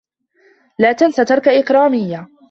لا تنس ترك إكراميّة.